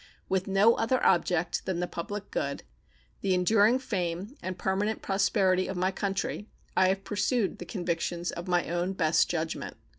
With no other object than the public good, the enduring fame, and permanent prosperity of my country, I have pursued the convictions of my own best judgment.